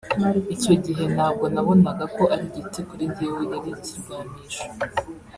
Icyo gihe ntabwo nabonaga ko ari igiti kuri njyewe yari ikirwanisho